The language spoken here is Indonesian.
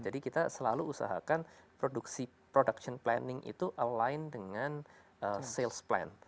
jadi kita selalu usahakan produksi production planning itu align dengan sales plan